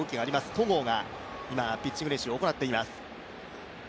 戸郷が今、ピッチング練習を行っています。